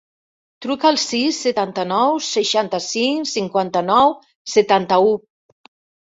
Truca al sis, setanta-nou, seixanta-cinc, cinquanta-nou, setanta-u.